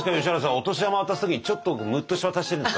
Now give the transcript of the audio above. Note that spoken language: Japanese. お年玉渡す時ちょっとムッとして渡してるんですか？